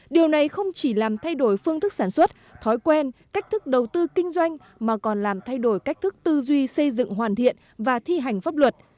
điều này không chỉ làm thay đổi phương thức sản xuất thói quen cách thức đầu tư kinh doanh mà còn làm thay đổi cách thức tư duy xây dựng hoàn thiện và thi hành pháp luật